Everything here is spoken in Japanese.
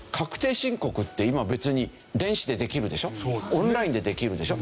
オンラインでできるでしょ。